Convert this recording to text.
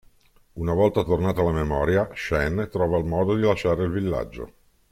Una volta tornata la memoria, Shen trova il modo di lasciare il villaggio.